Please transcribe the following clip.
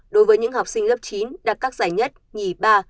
đối với những học sinh lớp chín đặt các giải nhất nhì ba